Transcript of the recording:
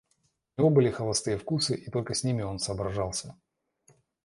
У него были холостые вкусы, и только с ними он соображался.